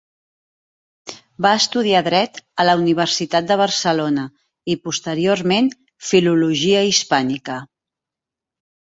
Va estudiar Dret a la Universitat de Barcelona i posteriorment Filologia Hispànica.